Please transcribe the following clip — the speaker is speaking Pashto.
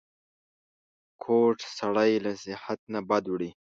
کوږ سړی له نصیحت نه بد وړي